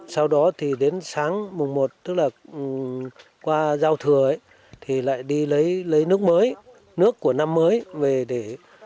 sau đó thì đến sáng mùng một tức là qua giao thừa thì lại đi lấy nước mới nước của năm mới về để